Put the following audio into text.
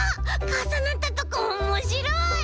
かさなったとこおもしろい！